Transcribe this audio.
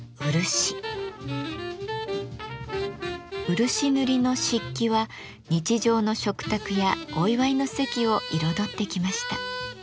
漆塗りの漆器は日常の食卓やお祝いの席を彩ってきました。